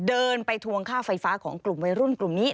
เดินไปทวงค่าไฟฟ้าของกลุ่มวัยรุ่นกลุ่มนี้